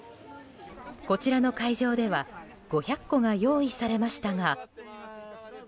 こちらの会場では５００個が用意されましたが。